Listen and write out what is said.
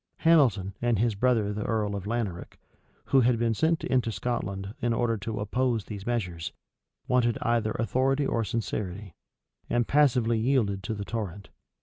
Hamilton, and his brother the earl of Laneric, who had been sent into Scotland in order to oppose, these measures, wanted either authority or sincerity; and passively yielded to the torrent.